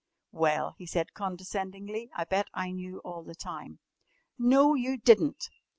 "Well?" he said condescendingly, "I bet I knew all the time." "No, you didn't!